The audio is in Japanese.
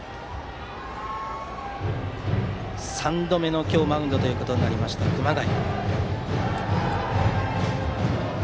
３度目のマウンドとなりました熊谷。